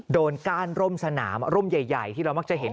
ก้านร่มสนามร่มใหญ่ที่เรามักจะเห็น